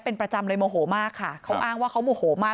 เป็นประจำเลยโมโหมากค่ะเขาอ้างว่าเขาโมโหมาก